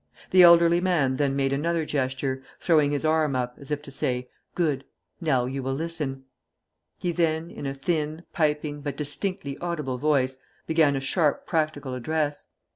The elderly man then made another gesture, throwing his arm up, as if to say: 'Good! Now you will listen.' He then, in a thin, piping, but distinctly audible voice, began a sharp practical address.